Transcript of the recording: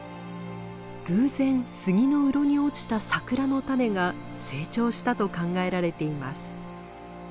偶然スギのうろに落ちたサクラの種が成長したと考えられています。